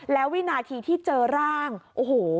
แล้ววินาทีที่เจอร่างโอ้โห